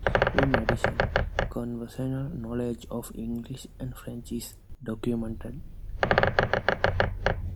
In addition, conversational knowledge of English and French is documented.